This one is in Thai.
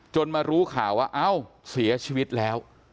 มารู้ข่าวว่าเอ้าเสียชีวิตแล้ว